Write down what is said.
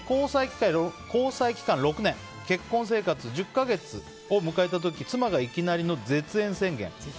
交際期間６年結婚生活１０か月を迎えた時妻がいきなりの絶縁宣言。